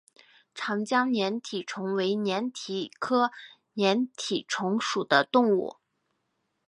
长江粘体虫为粘体科粘体虫属的动物。